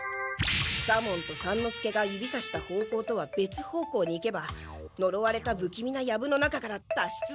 左門と三之助が指さした方向とはべつ方向に行けばのろわれたぶきみなヤブの中から脱出できるはずだ！